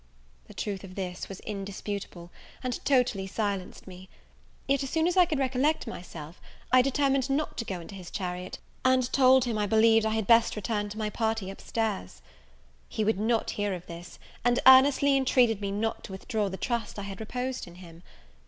The truth of this was indisputable, and totally silenced me. Yet, as soon as I could recollect myself, I determined not to go into his chariot, and told him I believed I had best return to my party up stairs. He would not hear of this; and earnestly intreated me not to withdraw the trust I had reposed in him.